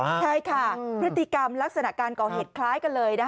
ใช่ค่ะพฤติกรรมลักษณะการก่อเหตุคล้ายกันเลยนะคะ